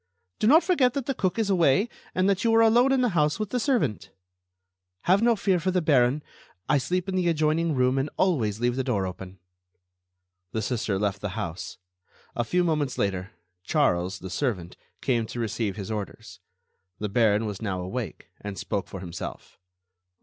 "Do not forget that the cook is away, and that you are alone in the house with the servant." "Have no fear for the Baron. I sleep in the adjoining room and always leave the door open." The Sister left the house. A few moments later, Charles, the servant, came to receive his orders. The Baron was now awake, and spoke for himself.